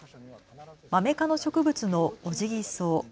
マメ科の植物のオジギソウ。